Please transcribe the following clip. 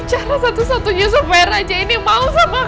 cara satu satunya supaya raja ini mau sama